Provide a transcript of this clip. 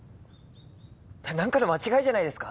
なんかの間違いじゃないですか？